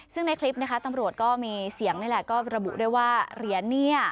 ซึ่งในคลิปนะคะตำรวจก็มีเสียงนี่แหละก็ระบุด้วยว่าเหรียญเนี่ย